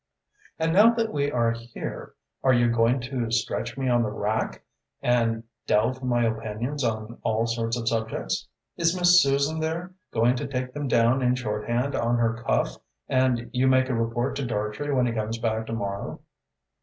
"And now that we are here, are you going to stretch me on the rack and delve for my opinions on all sorts of subjects? is Miss Susan there going to take them down in shorthand on her cuff and you make a report to Dartrey when he comes back to morrow?"